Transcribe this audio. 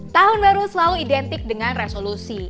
tahun baru selalu identik dengan resolusi